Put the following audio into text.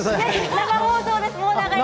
生放送です。